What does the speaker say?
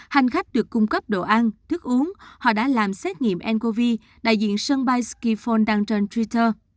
hành khách được cung cấp đồ ăn thức uống họ đã làm xét nghiệm ncov đại diện sân bay chiffon đăng trên twitter